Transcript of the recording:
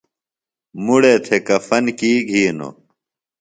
مڑے تھےۡ کفن کی گھینوۡ؟